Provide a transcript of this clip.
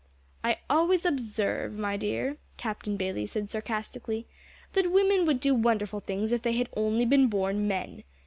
"I always observe, my dear," Captain Bayley said sarcastically, "that women would do wonderful things if they had only been born men.